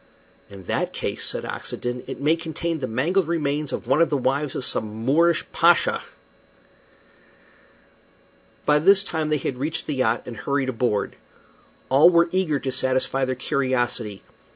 "In that case," said Oxenden, "it may contain the mangled remains of one of the wives of some Moorish pasha." By this time they had reached the yacht and hurried aboard. All were eager to satisfy their curiosity.